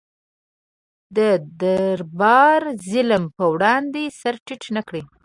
د دربار ظلم پر وړاندې سر ټیټ نه کړ.